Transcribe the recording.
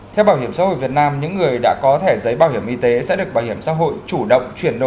theo bảo hiểm xã hội việt nam những người đã có thẻ giấy bảo hiểm y tế sẽ được bảo hiểm xã hội chủ động chuyển đổi